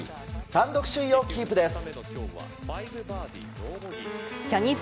単独首位をキープです。